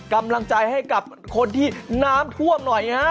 กำลังใจให้กับคนที่น้ำท่วมหน่อยฮะ